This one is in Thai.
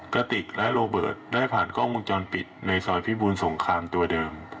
กระติกและโรเบิร์ตได้ผ่านกล้องวงจรปิดในซอยพิบูรสงครามตัวเดิม